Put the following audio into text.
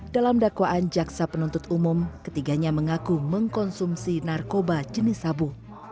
dalam dakwaan jaksa penuntut umum ketiganya mengaku mengkonsumsi narkoba jenis sabu